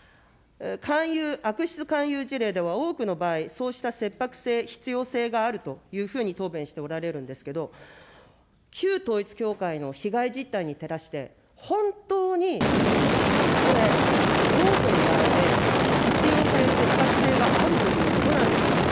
勧誘、悪質勧誘事例では多くの場合、そうした切迫性、必要性があるというふうに答弁しておられるんですけれども、旧統一教会の被害実態に照らして、本当にこれ、多くの場合で、必要性、切迫性があるということなんでしょうか。